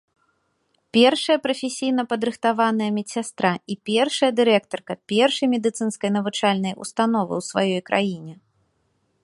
Першая прафесійна падрыхтаваная медсястра і першая дырэктарка першай медыцынскай навучальнай ўстановы ў сваёй краіне.